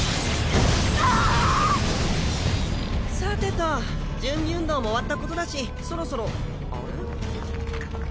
さてと準備運動も終わったことだしそろそろあれ？